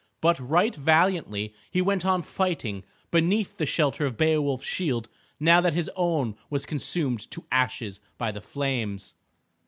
But right valiantly he went on fighting beneath the shelter of Beowulf's shield now that his own was consumed to ashes by the flames.